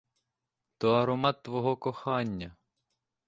То аромат твого кохання.